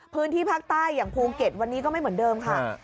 พื้นที่ภาคใต้อย่างภูเก็ตวันนี้ก็ไม่เหมือนเดิมค่ะ